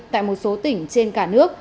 tại một số tỉnh trên cả nước